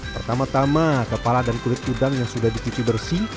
pertama tama kepala dan kulit udang yang sudah dicuci bersih